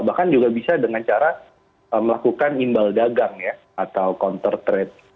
bahkan juga bisa dengan cara melakukan imbal dagang ya atau counter trade